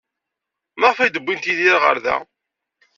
Maɣef ay d-wwint Yidir ɣer da?